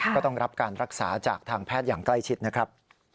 ก็ต้องรับการรักษาจากทางแพทย์อย่างใกล้ชิดนะครับ